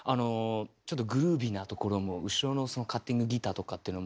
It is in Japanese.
ちょっとグルービーなところも後ろのそのカッティングギターとかっていうのも